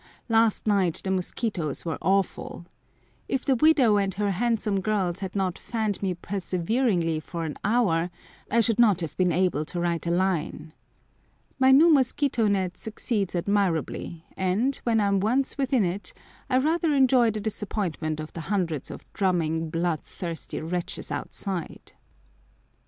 Last night the mosquitoes were awful. If the widow and her handsome girls had not fanned me perseveringly for an hour, I should not have been able to write a line. My new mosquito net succeeds admirably, and, when I am once within it, I rather enjoy the disappointment of the hundreds of drumming blood thirsty wretches outside.